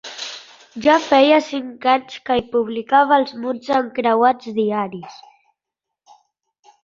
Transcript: Ja feia cinc anys que hi publicava els mots encreuats diaris.